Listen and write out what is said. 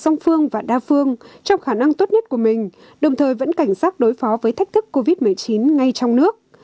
song phương và đa phương trong khả năng tốt nhất của mình đồng thời vẫn cảnh giác đối phó với thách thức covid một mươi chín ngay trong nước